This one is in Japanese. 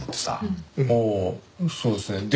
ああそうですね。